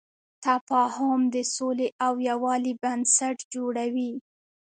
تفاهم د سولې او یووالي بنسټ جوړوي.